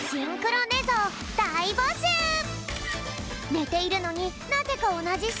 ねているのになぜかおなじしせい！